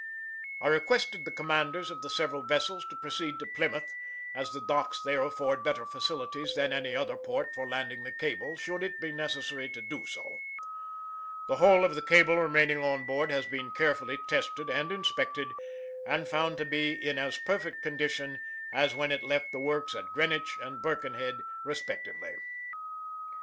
I requested the commanders of the several vessels to proceed to Plymouth, as the docks there afford better facilities than any other port for landing the cable should it be necessary to do so. The whole of the cable remaining on board has been carefully tested and inspected, and found to be in as perfect condition as when it left the works at Greenwich and Birkenhead respectively.